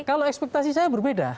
kalau ekspektasi saya berbeda